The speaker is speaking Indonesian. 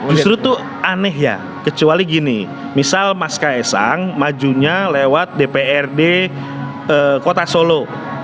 justru itu aneh ya kecuali gini misal mas kaisang majunya lewat dprd kota solo